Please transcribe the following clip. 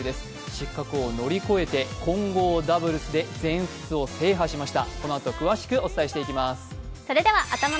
失格を乗り越えて混合ダブルスで全仏を制覇しました。